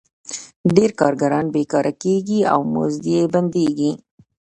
ډېر کارګران بېکاره کېږي او مزد یې بندېږي